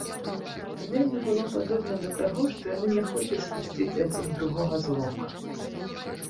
Вельмі было падобна да таго, што яны не хочуць спусціць адзін другога з вока.